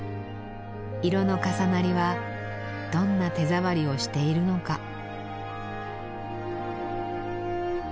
色の重なりはどんな手触りをしているのか。